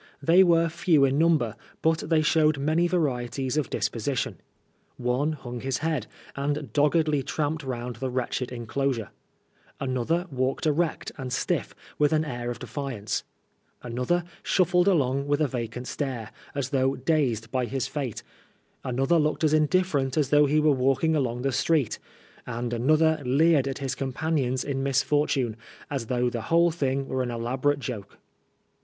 They were few in number, but they showed many varieties of disposition. One hung his head, and doggedly tramped round the wretched enclosure ; another walked erect and stiff, iBidth an air of defiance ; another shuffled along with a Tacant stare, as though dazed by his fate ; another looked as indifferent as though he were walking along the street ; and another leered at his companions in misfortune, as though the whole thing were an elabo rate joke.